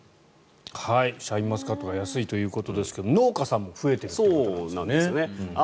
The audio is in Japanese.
シャインマスカットが安いということですけど農家さんも増えているということなんですね。